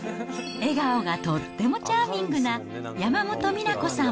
笑顔がとってもチャーミングな山本美奈子さん。